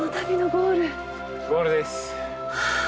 ゴールです。